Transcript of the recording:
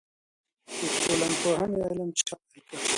د ټولنپوهنې علم چا پیل کړ؟